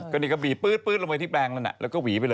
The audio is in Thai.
ก็นี่ก็บีบื๊ดลงไปที่แปลงนั้นแล้วก็หวีไปเลย